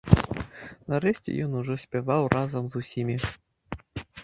Нарэшце ён ужо спяваў разам з усімі.